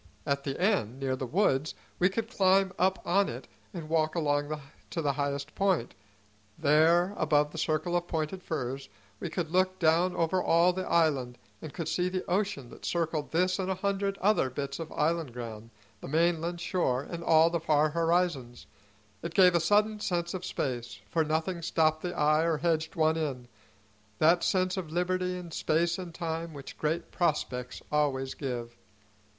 At the end, near the woods, we could climb up on it and walk along to the highest point; there above the circle of pointed firs we could look down over all the island, and could see the ocean that circled this and a hundred other bits of island ground, the mainland shore and all the far horizons. It gave a sudden sense of space, for nothing stopped the eye or hedged one in, that sense of liberty in space and time which great prospects always give.